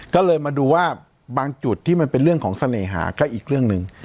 ก็เลยมาดูว่าบางจุดที่มันเป็นเรื่องของเสน่หาก็อีกเรื่องหนึ่ง